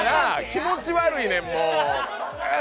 気持ち悪いねん、もう。